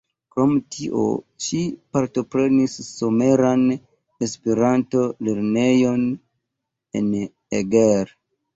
Krom tio ŝi partoprenis Someran Esperanto-lernejon en Eger.